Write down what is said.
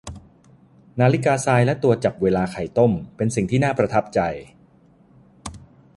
นาฬิกาทรายและตัวจับเวลาต้มไข่เป็นสิ่งที่น่าประทับใจ